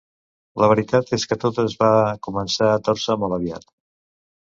La veritat és que tot es va començar a tòrcer molt aviat.